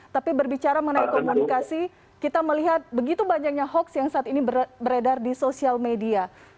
tapi berbicara mengenai komunikasi kita melihat begitu banyaknya hoax yang saat ini beredar di sosial media